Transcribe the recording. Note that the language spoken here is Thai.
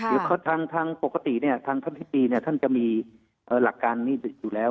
เพราะทางปกติทางท่านพิธีท่านจะมีหลักการนี้อยู่แล้ว